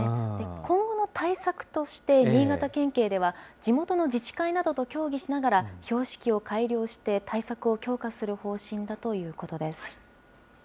今後の対策として、新潟県警では、地元の自治会などと協議しながら、標識を改良して対策を強化する方針だということです。